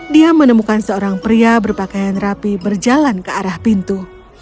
dia menemukan seorang pria berpakaian rapi berjalan ke arah pintu